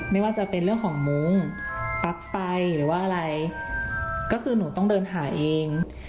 ไม่ว่าจะเป็นเรื่องของมุ้งปลั๊กไฟหรือว่าอะไรก็คือหนูต้องเดินหาเอง